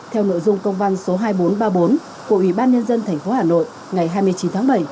theo nội dung công văn số hai nghìn bốn trăm ba mươi bốn của ủy ban nhân dân tp hà nội ngày hai mươi chín tháng bảy